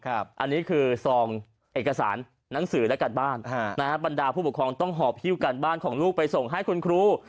อันนี้คือซองเอกสารหนังสือและการบ้านบรรดาผู้ปกครองต้องหอบฮิ้วกันบ้านของลูกไปส่งให้คุณครู